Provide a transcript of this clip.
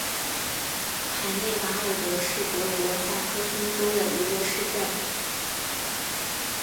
海内瓦尔德是德国萨克森州的一个市镇。